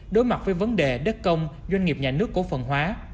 đối mặt với vấn đề đất công doanh nghiệp nhà nước cổ phần hóa